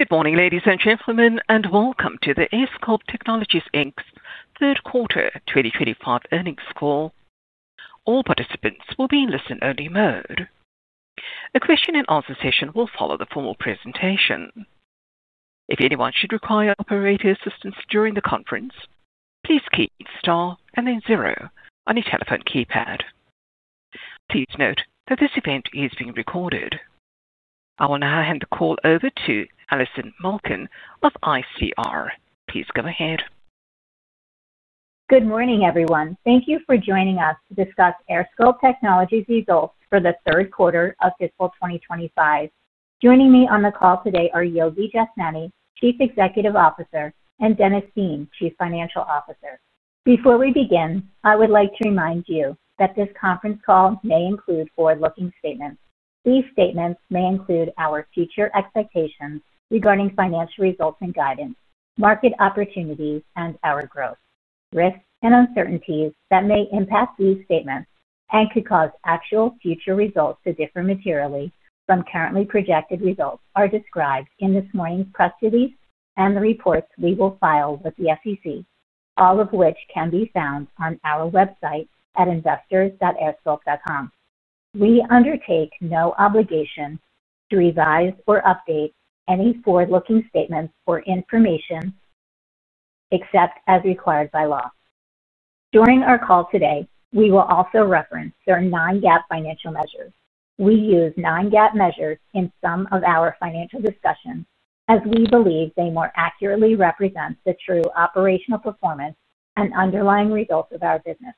Good morning, ladies and gentlemen, and welcome to the AirSculpt Technologies, Inc Third Quarter 2025 Earnings Call. All participants will be in listen-only mode. A question-and-answer session will follow the formal presentation. If anyone should require operator assistance during the conference, please key star and then zero on your telephone keypad. Please note that this event is being recorded. I will now hand the call over to Allison Malkin of ICR. Please go ahead. Good morning, everyone. Thank you for joining us to discuss AirSculpt Technologies' results for the third quarter of fiscal 2025. Joining me on the call today are Yogi Jashnani, Chief Executive Officer, and Dennis Dean, Chief Financial Officer. Before we begin, I would like to remind you that this conference call may include forward-looking statements. These statements may include our future expectations regarding financial results and guidance, market opportunities, and our growth. Risks and uncertainties that may impact these statements and could cause actual future results to differ materially from currently projected results are described in this morning's press release and the reports we will file with the SEC, all of which can be found on our website at investors.airsculpt.com. We undertake no obligation to revise or update any forward-looking statements or information except as required by law. During our call today, we will also reference certain non-GAAP financial measures. We use non-GAAP measures in some of our financial discussions as we believe they more accurately represent the true operational performance and underlying results of our business.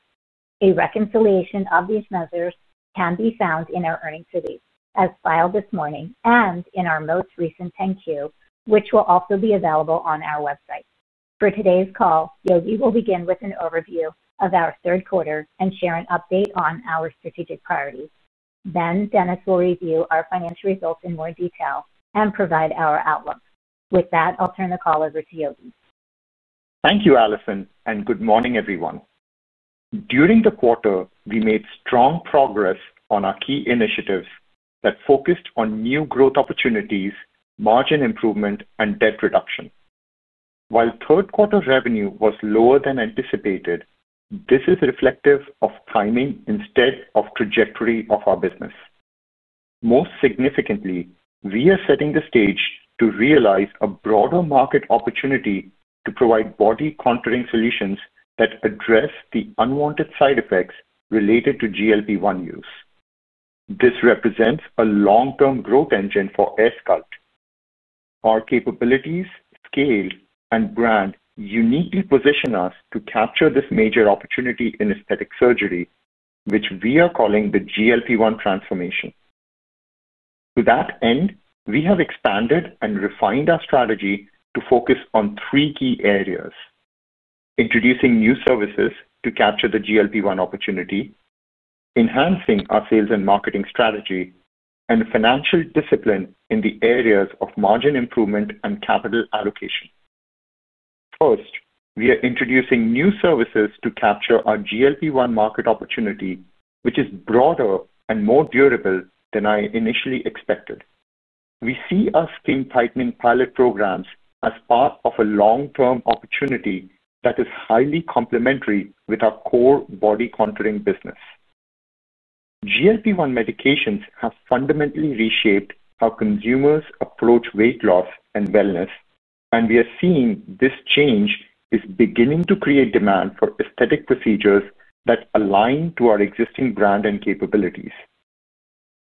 A reconciliation of these measures can be found in our earnings release as filed this morning and in our most recent 10-Q, which will also be available on our website. For today's call, Yogi will begin with an overview of our third quarter and share an update on our strategic priorities. Then Dennis will review our financial results in more detail and provide our outlook. With that, I'll turn the call over to Yogi. Thank you, Allison, and good morning, everyone. During the quarter, we made strong progress on our key initiatives that focused on new growth opportunities, margin improvement, and debt reduction. While third-quarter revenue was lower than anticipated, this is reflective of timing instead of trajectory of our business. Most significantly, we are setting the stage to realize a broader market opportunity to provide body-contouring solutions that address the unwanted side effects related to GLP-1 use. This represents a long-term growth engine for AirSculpt. Our capabilities, scale, and brand uniquely position us to capture this major opportunity in aesthetic surgery, which we are calling the GLP-1 transformation. To that end, we have expanded and refined our strategy to focus on three key areas: introducing new services to capture the GLP-1 opportunity, enhancing our sales and marketing strategy, and financial discipline in the areas of margin improvement and capital allocation. First, we are introducing new services to capture our GLP-1 market opportunity, which is broader and more durable than I initially expected. We see our skin tightening pilot programs as part of a long-term opportunity that is highly complementary with our core body-contouring business. GLP-1 medications have fundamentally reshaped how consumers approach weight loss and wellness, and we are seeing this change is beginning to create demand for aesthetic procedures that align to our existing brand and capabilities.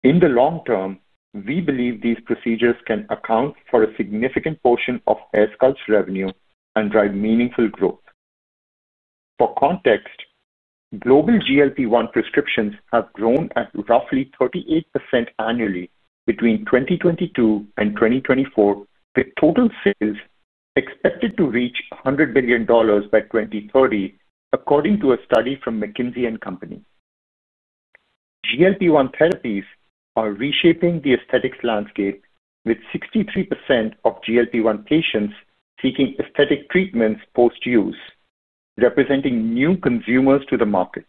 In the long term, we believe these procedures can account for a significant portion of AirSculpt's revenue and drive meaningful growth. For context, global GLP-1 prescriptions have grown at roughly 38% annually between 2022 and 2024, with total sales expected to reach $100 billion by 2030, according to a study from McKinsey & Company. GLP-1 therapies are reshaping the aesthetics landscape, with 63% of GLP-1 patients seeking aesthetic treatments post-use, representing new consumers to the market.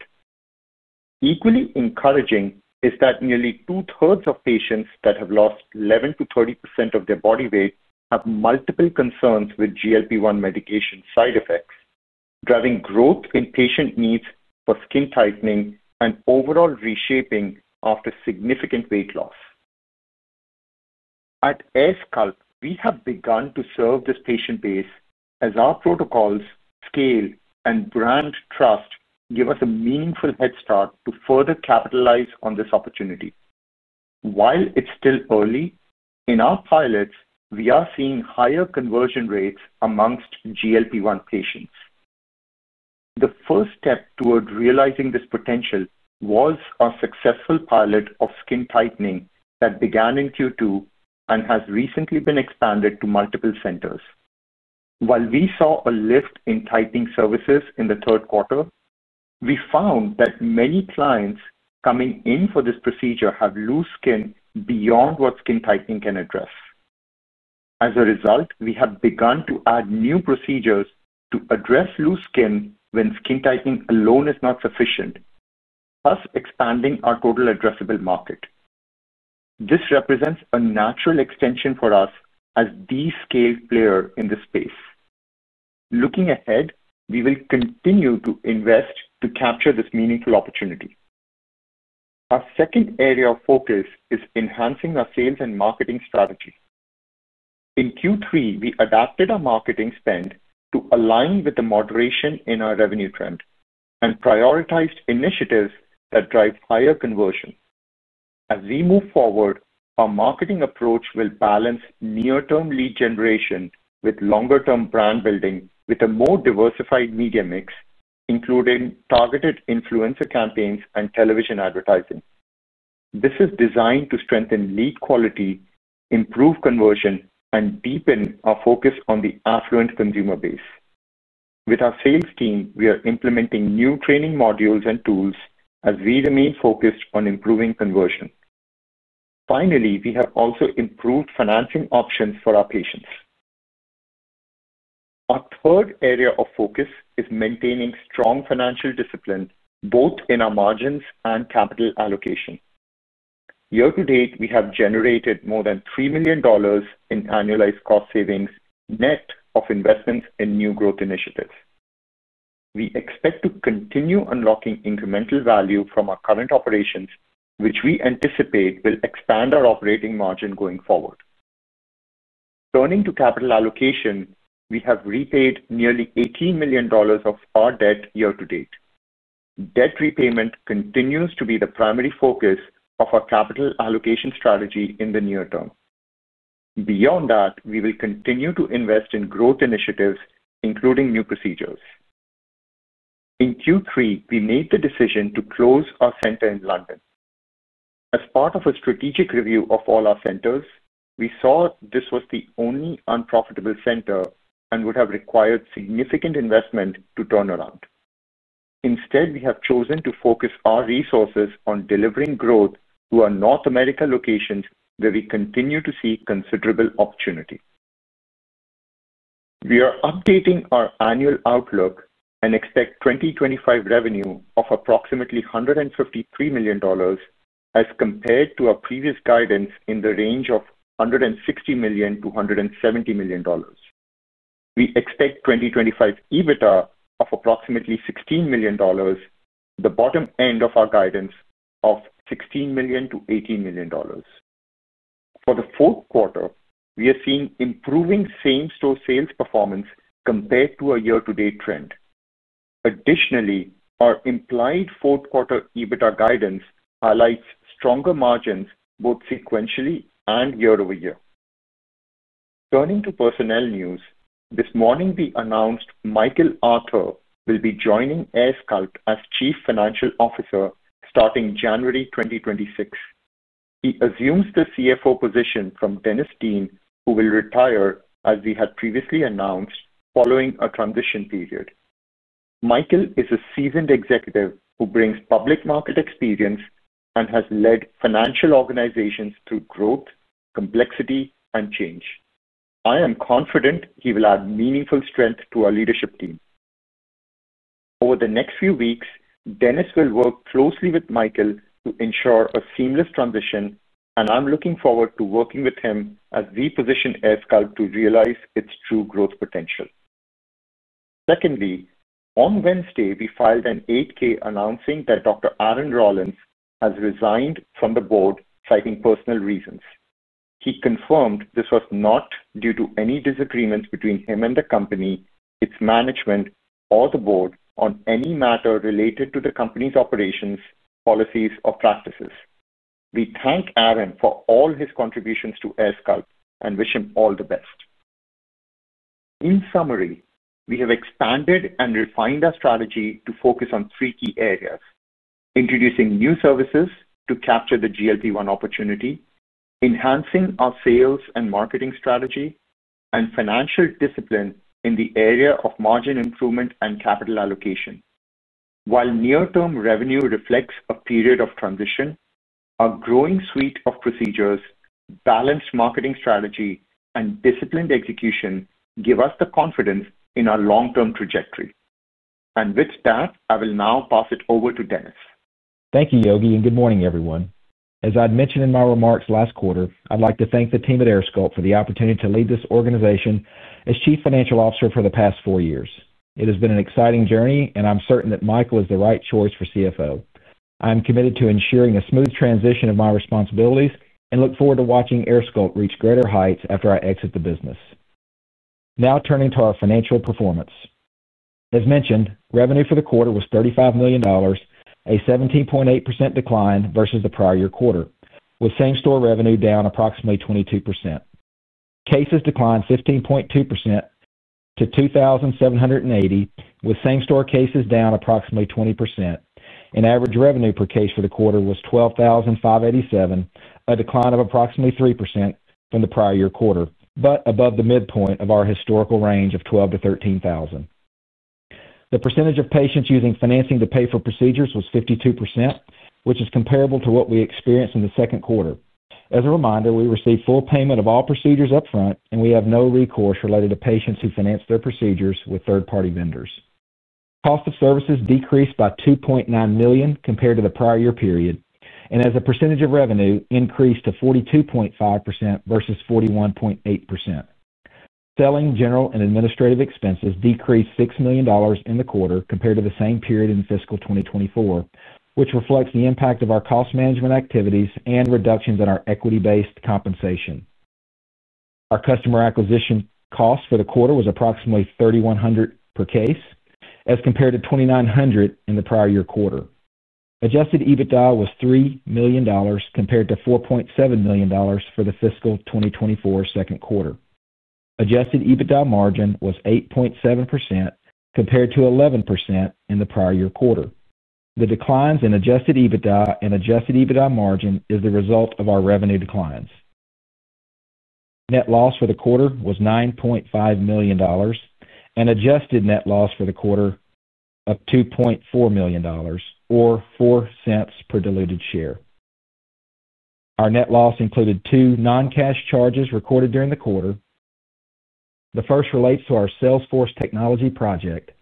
Equally encouraging is that nearly 2/3 of patients that have lost 11%-30% of their body weight have multiple concerns with GLP-1 medication side effects, driving growth in patient needs for skin tightening and overall reshaping after significant weight loss. At AirSculpt, we have begun to serve this patient base as our protocols, scale, and brand trust give us a meaningful head start to further capitalize on this opportunity. While it's still early, in our pilots, we are seeing higher conversion rates amongst GLP-1 patients. The first step toward realizing this potential was our successful pilot of skin tightening that began in Q2 and has recently been expanded to multiple centers. While we saw a lift in tightening services in the third quarter, we found that many clients coming in for this procedure have loose skin beyond what skin tightening can address. As a result, we have begun to add new procedures to address loose skin when skin tightening alone is not sufficient, thus expanding our total addressable market. This represents a natural extension for us as the scale player in this space. Looking ahead, we will continue to invest to capture this meaningful opportunity. Our second area of focus is enhancing our sales and marketing strategy. In Q3, we adapted our marketing spend to align with the moderation in our revenue trend and prioritized initiatives that drive higher conversion. As we move forward, our marketing approach will balance near-term lead generation with longer-term brand building with a more diversified media mix, including targeted influencer campaigns and television advertising. This is designed to strengthen lead quality, improve conversion, and deepen our focus on the affluent consumer base. With our sales team, we are implementing new training modules and tools as we remain focused on improving conversion. Finally, we have also improved financing options for our patients. Our third area of focus is maintaining strong financial discipline both in our margins and capital allocation. Year to date, we have generated more than $3 million in annualized cost savings net of investments in new growth initiatives. We expect to continue unlocking incremental value from our current operations, which we anticipate will expand our operating margin going forward. Turning to capital allocation, we have repaid nearly $18 million of our debt year to date. Debt repayment continues to be the primary focus of our capital allocation strategy in the near term. Beyond that, we will continue to invest in growth initiatives, including new procedures. In Q3, we made the decision to close our center in London. As part of a strategic review of all our centers, we saw this was the only unprofitable center and would have required significant investment to turn around. Instead, we have chosen to focus our resources on delivering growth to our North America locations where we continue to see considerable opportunity. We are updating our annual outlook and expect 2025 revenue of approximately $153 million as compared to our previous guidance in the range of $160 million-$170 million. We expect 2025 EBITDA of approximately $16 million, the bottom end of our guidance of $16 million-$18 million. For the fourth quarter, we are seeing improving same-store sales performance compared to our year-to-date trend. Additionally, our implied fourth-quarter EBITDA guidance highlights stronger margins both sequentially and year over year. Turning to personnel news, this morning we announced Michael Arthur will be joining AirSculpt as Chief Financial Officer starting January 2026. He assumes the CFO position from Dennis Dean, who will retire, as we had previously announced, following a transition period. Michael is a seasoned executive who brings public market experience and has led financial organizations through growth, complexity, and change. I am confident he will add meaningful strength to our leadership team. Over the next few weeks, Dennis will work closely with Michael to ensure a seamless transition, and I'm looking forward to working with him as we position AirSculpt to realize its true growth potential. Secondly, on Wednesday, we filed an 8-K announcing that Dr. Aaron Rollins has resigned from the board citing personal reasons. He confirmed this was not due to any disagreements between him and the company, its management, or the board on any matter related to the company's operations, policies, or practices. We thank Aaron for all his contributions to AirSculpt and wish him all the best. In summary, we have expanded and refined our strategy to focus on three key areas: introducing new services to capture the GLP-1 opportunity, enhancing our sales and marketing strategy, and financial discipline in the area of margin improvement and capital allocation. While near-term revenue reflects a period of transition, our growing suite of procedures, balanced marketing strategy, and disciplined execution give us the confidence in our long-term trajectory. I will now pass it over to Dennis. Thank you, Yogi, and good morning, everyone. As I'd mentioned in my remarks last quarter, I'd like to thank the team at AirSculpt for the opportunity to lead this organization as Chief Financial Officer for the past four years. It has been an exciting journey, and I'm certain that Michael is the right choice for CFO. I am committed to ensuring a smooth transition of my responsibilities and look forward to watching AirSculpt reach greater heights after I exit the business. Now turning to our financial performance. As mentioned, revenue for the quarter was $35 million, a 17.8% decline versus the prior year quarter, with same-store revenue down approximately 22%. Cases declined 15.2% to 2,780, with same-store cases down approximately 20%. An average revenue per case for the quarter was $12,587, a decline of approximately 3% from the prior year quarter, but above the midpoint of our historical range of $12,000-$13,000. The percentage of patients using financing to pay for procedures was 52%, which is comparable to what we experienced in the second quarter. As a reminder, we receive full payment of all procedures upfront, and we have no recourse related to patients who finance their procedures with third-party vendors. Cost of services decreased by $2.9 million compared to the prior year period, and as a percentage of revenue, increased to 42.5% versus 41.8%. Selling, general, and administrative expenses decreased $6 million in the quarter compared to the same period in fiscal 2024, which reflects the impact of our cost management activities and reductions in our equity-based compensation. Our customer acquisition cost for the quarter was approximately $3,100 per case as compared to $2,900 in the prior year quarter. Adjusted EBITDA was $3 million compared to $4.7 million for the fiscal 2024 second quarter. Adjusted EBITDA margin was 8.7% compared to 11% in the prior year quarter. The declines in adjusted EBITDA and adjusted EBITDA margin are the result of our revenue declines. Net loss for the quarter was $9.5 million, and adjusted net loss for the quarter of $2.4 million, or $0.04 per diluted share. Our net loss included two non-cash charges recorded during the quarter. The first relates to our Salesforce technology project.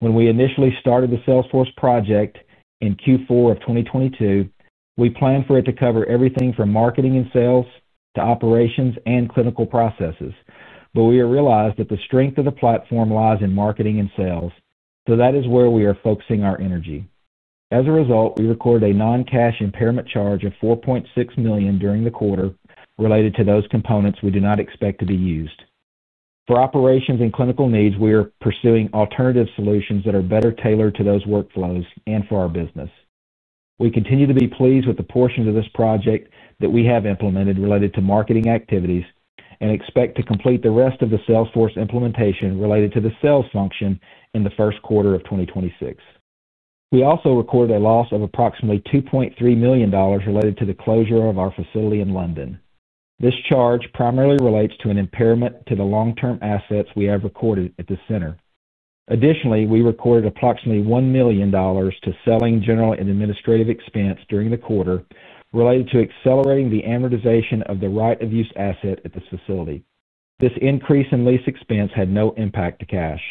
When we initially started the Salesforce project in Q4 of 2022, we planned for it to cover everything from marketing and sales to operations and clinical processes, but we realized that the strength of the platform lies in marketing and sales, so that is where we are focusing our energy. As a result, we recorded a non-cash impairment charge of $4.6 million during the quarter related to those components we do not expect to be used. For operations and clinical needs, we are pursuing alternative solutions that are better tailored to those workflows and for our business. We continue to be pleased with the portions of this project that we have implemented related to marketing activities and expect to complete the rest of the Salesforce implementation related to the sales function in the first quarter of 2026. We also recorded a loss of approximately $2.3 million related to the closure of our facility in London. This charge primarily relates to an impairment to the long-term assets we have recorded at the center. Additionally, we recorded approximately $1 million to selling, general, and administrative expense during the quarter related to accelerating the amortization of the right-of-use asset at this facility. This increase in lease expense had no impact to cash.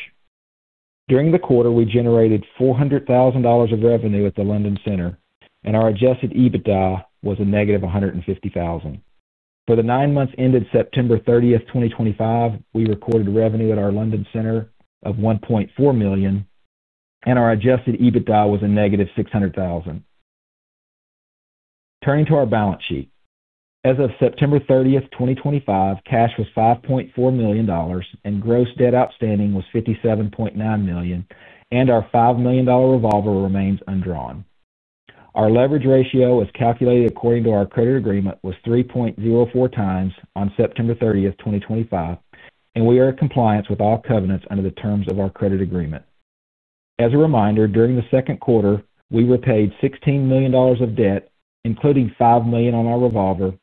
During the quarter, we generated $400,000 of revenue at the London Center, and our adjusted EBITDA was a -$150,000. For the nine months ended September 30th 2025, we recorded revenue at our London Center of $1.4 million, and our adjusted EBITDA was a -$600,000. Turning to our balance sheet, as of September 30th 2025, cash was $5.4 million, and gross debt outstanding was $57.9 million, and our $5 million revolver remains undrawn. Our leverage ratio, as calculated according to our credit agreement, was 3.04x on September 30th 2025, and we are in compliance with all covenants under the terms of our credit agreement. As a reminder, during the second quarter, we repaid $16 million of debt, including $5 million on our revolver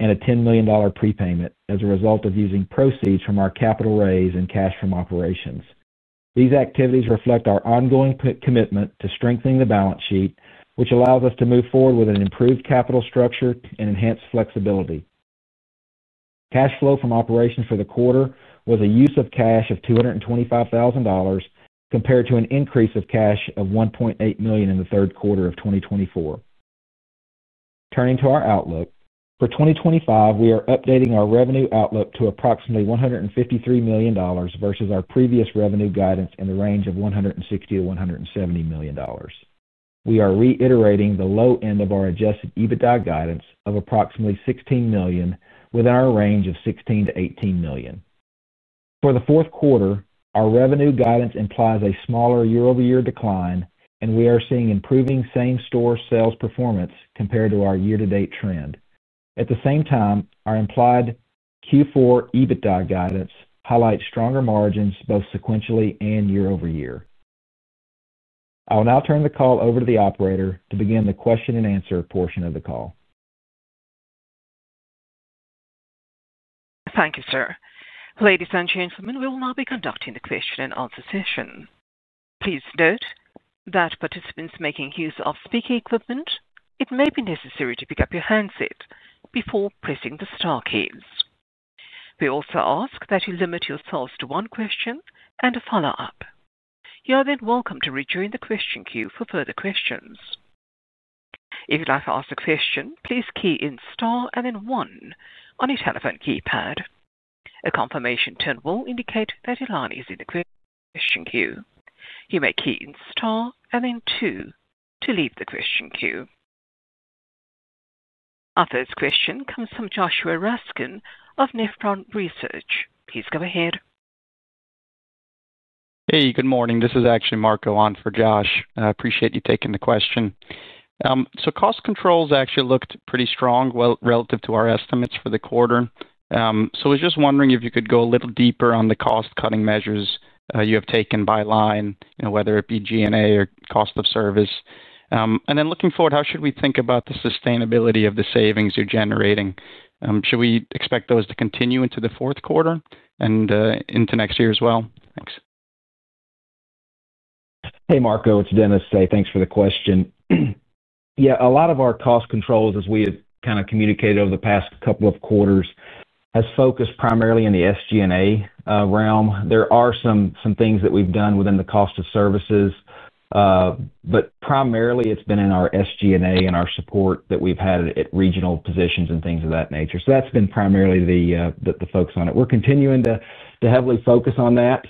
and a $10 million prepayment as a result of using proceeds from our capital raise and cash from operations. These activities reflect our ongoing commitment to strengthening the balance sheet, which allows us to move forward with an improved capital structure and enhanced flexibility. Cash flow from operations for the quarter was a use of cash of $225,000 compared to an increase of cash of $1.8 million in the third quarter of 2024. Turning to our outlook, for 2025, we are updating our revenue outlook to approximately $153 million versus our previous revenue guidance in the range of $160 million-$170 million. We are reiterating the low end of our adjusted EBITDA guidance of approximately $16 million within our range of $16 million-$18 million. For the fourth quarter, our revenue guidance implies a smaller year-over-year decline, and we are seeing improving same-store sales performance compared to our year-to-date trend. At the same time, our implied Q4 EBITDA guidance highlights stronger margins both sequentially and year-over-year. I will now turn the call over to the operator to begin the question-and-answer portion of the call. Thank you, sir. Ladies and gentlemen, we will now be conducting the question-and-answer session. Please note that participants making use of speaker equipment, it may be necessary to pick up your handset before pressing the star keys. We also ask that you limit yourselves to one question and a follow-up. You are then welcome to rejoin the question queue for further questions. If you'd like to ask a question, please key in star and then one on your telephone keypad. A confirmation tone will indicate that your line is in the question queue. You may key in star and then two to leave the question queue. Our first question comes from Joshua Raskin of Nephron Research. Please go ahead. Hey, good morning. This is actually Marco on for Josh. I appreciate you taking the question. Cost controls actually looked pretty strong relative to our estimates for the quarter. I was just wondering if you could go a little deeper on the cost-cutting measures you have taken by line, whether it be G&A or cost of service. Looking forward, how should we think about the sustainability of the savings you're generating? Should we expect those to continue into the fourth quarter and into next year as well? Thanks. Hey, Marco. It's Dennis Dean. Thanks for the question. Yeah, a lot of our cost controls, as we have kind of communicated over the past couple of quarters, has focused primarily in the SG&A realm. There are some things that we've done within the cost of services, but primarily it's been in our SG&A and our support that we've had at regional positions and things of that nature. That's been primarily the focus on it. We're continuing to heavily focus on that.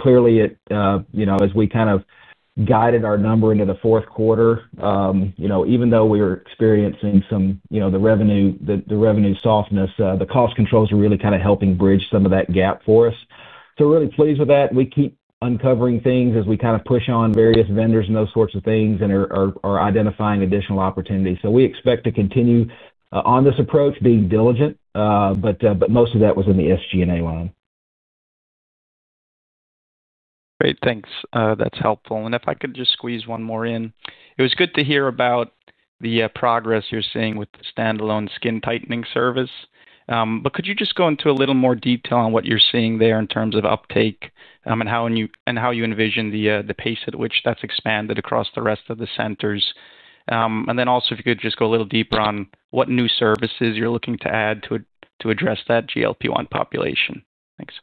Clearly, as we kind of guided our number into the fourth quarter, even though we were experiencing some of the revenue softness, the cost controls are really kind of helping bridge some of that gap for us. We're really pleased with that. We keep uncovering things as we kind of push on various vendors and those sorts of things and are identifying additional opportunities. We expect to continue on this approach, being diligent, but most of that was in the SG&A line. Great. Thanks. That's helpful. If I could just squeeze one more in. It was good to hear about the progress you're seeing with the standalone skin tightening service. Could you just go into a little more detail on what you're seeing there in terms of uptake and how you envision the pace at which that's expanded across the rest of the centers? Also, if you could just go a little deeper on what new services you're looking to add to address that GLP-1 population. Thanks.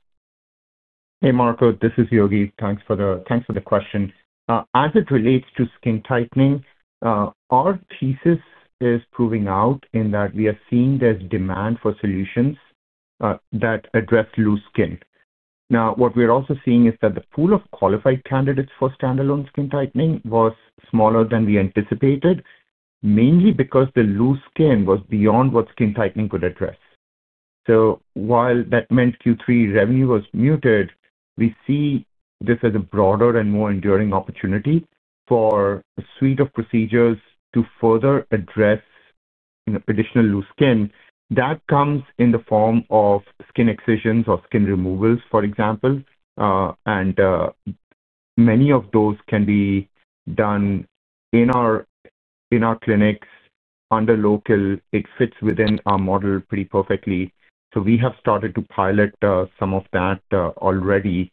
Hey, Marco. This is Yogi. Thanks for the question. As it relates to skin tightening, our thesis is proving out in that we have seen there's demand for solutions that address loose skin. Now, what we're also seeing is that the pool of qualified candidates for standalone skin tightening was smaller than we anticipated, mainly because the loose skin was beyond what skin tightening could address. While that meant Q3 revenue was muted, we see this as a broader and more enduring opportunity for a suite of procedures to further address additional loose skin. That comes in the form of skin excisions or skin removals, for example, and many of those can be done in our clinics under local. It fits within our model pretty perfectly. We have started to pilot some of that already.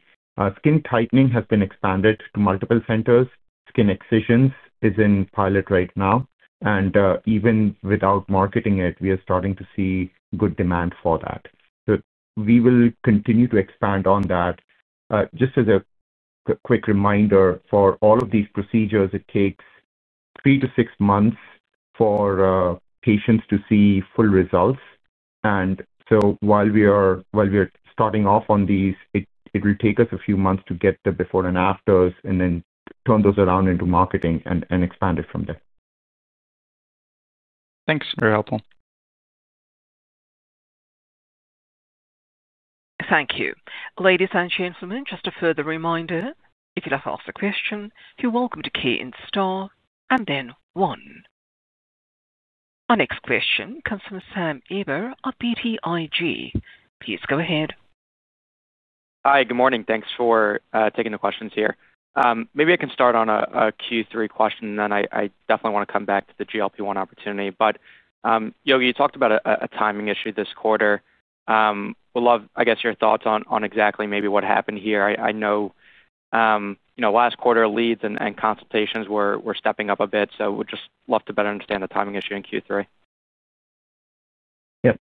Skin tightening has been expanded to multiple centers. Skin excision is in pilot right now. And even without marketing it, we are starting to see good demand for that. We will continue to expand on that. Just as a quick reminder, for all of these procedures, it takes three to six months for patients to see full results. While we are starting off on these, it will take us a few months to get the before and after and then turn those around into marketing and expand it from there. Thanks. Very helpful. Thank you. Ladies and gentlemen, just a further reminder, if you'd like to ask a question, you're welcome to key in star and then one. Our next question comes from Sam Eiber of BTIG. Please go ahead. Hi. Good morning. Thanks for taking the questions here. Maybe I can start on a Q3 question, and then I definitely want to come back to the GLP-1 opportunity. Yogi, you talked about a timing issue this quarter. We'd love, I guess, your thoughts on exactly maybe what happened here. I know last quarter, leads and consultations were stepping up a bit, so we'd just love to better understand the timing issue in Q3. Yep.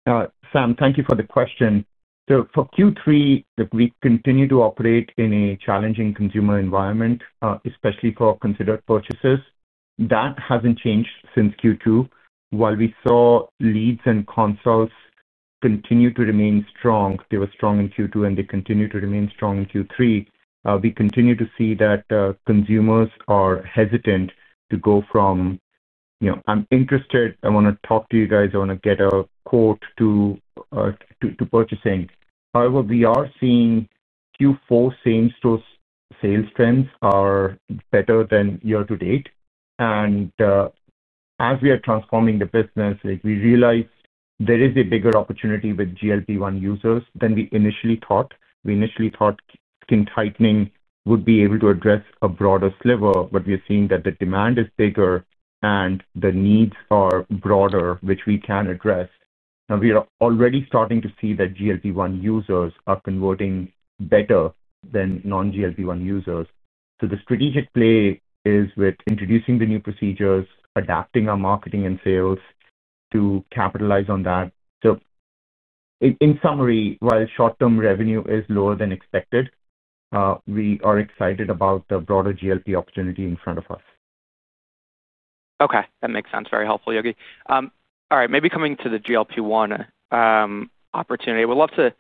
Sam, thank you for the question. For Q3, we continue to operate in a challenging consumer environment, especially for considered purchases. That has not changed since Q2. While we saw leads and consults continue to remain strong, they were strong in Q2, and they continue to remain strong in Q3, we continue to see that consumers are hesitant to go from, "I'm interested. I want to talk to you guys. I want to get a quote to purchasing." However, we are seeing Q4 same-store sales trends are better than year-to-date. As we are transforming the business, we realize there is a bigger opportunity with GLP-1 users than we initially thought. We initially thought skin tightening would be able to address a broader sliver, but we are seeing that the demand is bigger and the needs are broader, which we can address. We are already starting to see that GLP-1 users are converting better than non-GLP-1 users. The strategic play is with introducing the new procedures, adapting our marketing and sales to capitalize on that. In summary, while short-term revenue is lower than expected, we are excited about the broader GLP opportunity in front of us. Okay. That makes sense. Very helpful, Yogi. All right. Maybe coming to the GLP-1 opportunity, I would love to,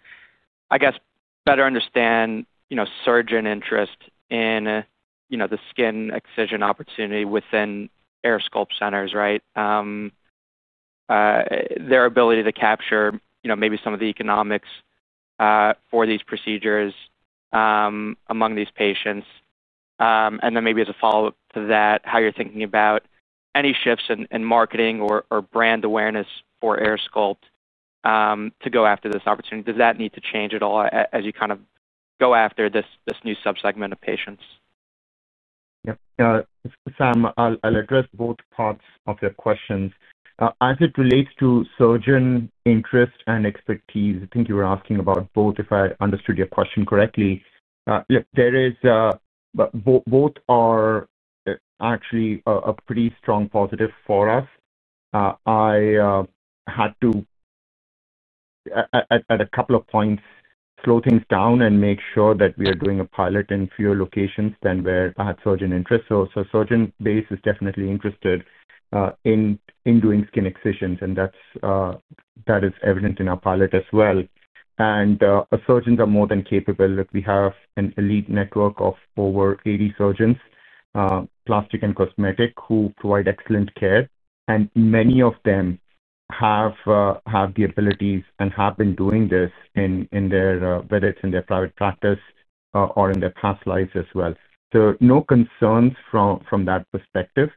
I guess, better understand surge in interest in the skin excision opportunity within AirSculpt centers, right? Their ability to capture maybe some of the economics for these procedures among these patients. And then maybe as a follow-up to that, how you're thinking about any shifts in marketing or brand awareness for AirSculpt to go after this opportunity. Does that need to change at all as you kind of go after this new subsegment of patients? Yep. Sam, I'll address both parts of your questions. As it relates to surgeon interest and expertise, I think you were asking about both, if I understood your question correctly. Yep. Both are actually a pretty strong positive for us. I had to, at a couple of points, slow things down and make sure that we are doing a pilot in fewer locations than where I had surgeon interest. A surgeon base is definitely interested in doing skin excisions, and that is evident in our pilot as well. Surgeons are more than capable. We have an elite network of over 80 surgeons, plastic and cosmetic, who provide excellent care. Many of them have the abilities and have been doing this, whether it is in their private practice or in their past lives as well. No concerns from that perspective.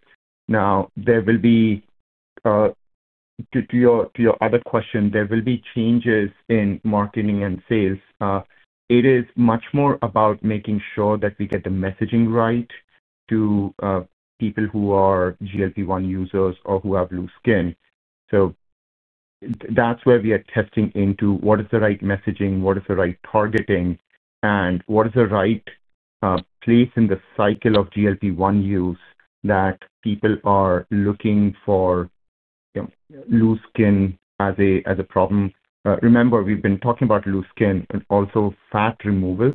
Now, there will be—to your other question—there will be changes in marketing and sales. It is much more about making sure that we get the messaging right to people who are GLP-1 users or who have loose skin. That is where we are testing into what is the right messaging, what is the right targeting, and what is the right place in the cycle of GLP-1 use that people are looking for loose skin as a problem. Remember, we have been talking about loose skin. Also, fat removal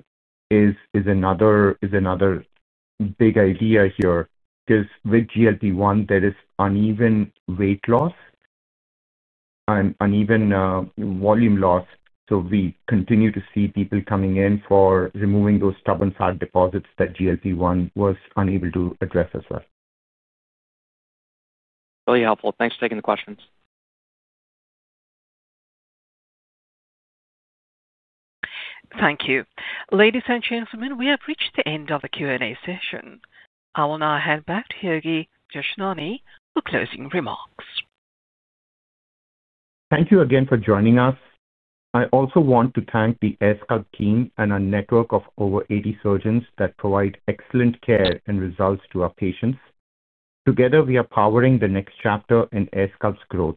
is another big idea here because with GLP-1, there is uneven weight loss and uneven volume loss. We continue to see people coming in for removing those stubborn fat deposits that GLP-1 was unable to address as well. Really helpful. Thanks for taking the questions. Thank you. Ladies and gentlemen, we have reached the end of the Q&A session. I will now hand back to Yogi Jashnani for closing remarks. Thank you again for joining us. I also want to thank the AirSculpt team and our network of over 80 surgeons that provide excellent care and results to our patients. Together, we are powering the next chapter in AirSculpt's growth.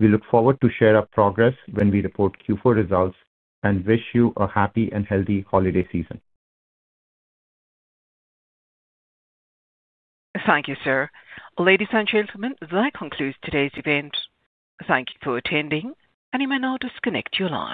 We look forward to sharing our progress when we report Q4 results and wish you a happy and healthy holiday season. Thank you, sir. Ladies and gentlemen, that concludes today's event. Thank you for attending, and you may now disconnect your line.